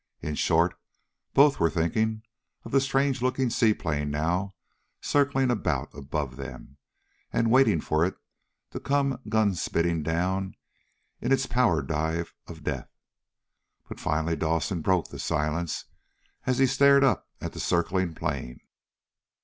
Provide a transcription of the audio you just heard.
In short, both were thinking of the strange looking seaplane now circling about above them, and waiting for it to come gun spitting down in its power dive of death. But finally Dawson broke the silence as he stared up at the circling plane.